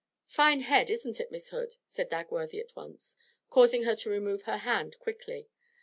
'Fine head, isn't it, Miss Hood?' said Dagworthy at once, causing her to remove her hand quickly.